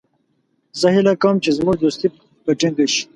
زه هیله کوم چې زموږ دوستي به ټینګه شي.